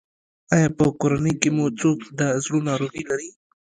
ایا په کورنۍ کې مو څوک د زړه ناروغي لري؟